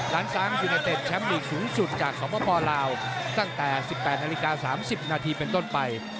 ร้านซ้างยูเนเต็ดแชมป์ลีกสูงสุดจากสปลาวตั้งแต่๑๘นาฬิกา๓๐นาทีเป็นต้นไป